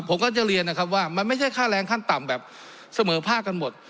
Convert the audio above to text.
ผมก็จะเรียนนะครับว่ามันไม่ใช่ค่าแรงขั้นต่ำแบบเสมอภาคกันหมด